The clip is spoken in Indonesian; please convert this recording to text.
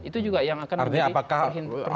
itu juga yang akan menjadi perhimpunan